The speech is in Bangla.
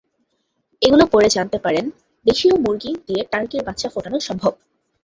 এগুলো পড়ে জানতে পারেন, দেশীয় মুরগি দিয়ে টার্কির বাচ্চা ফোটানো সম্ভব।